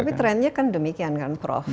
tapi trennya kan demikian kan prof